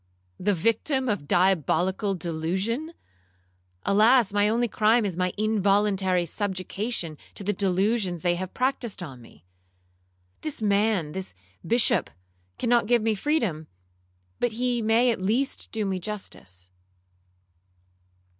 —the victim of diabolical delusion!—Alas! my only crime is my involuntary subjection to the delusions they have practised on me. This man, this Bishop, cannot give me freedom, but he may at least do me justice.'